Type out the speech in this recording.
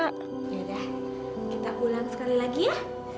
yaudah kita pulang sekali lagi ya